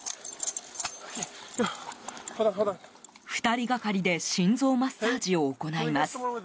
２人がかりで心臓マッサージを行います。